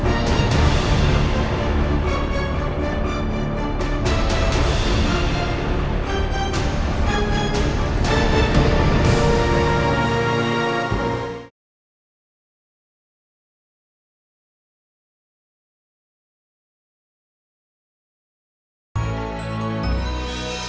aku ingin rumah tangga kita selesai sampai disini